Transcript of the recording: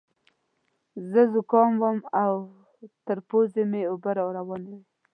زه ذکام وم او تر پوزې مې اوبه روانې وې.